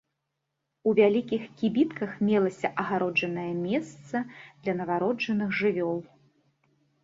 У вялікіх кібітках мелася адгароджанае месца для нованароджаных жывёл.